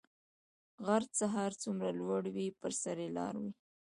غر څه هر څومره لوړ وی په سر ئي لاره وی